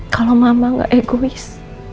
kalau mama gak egois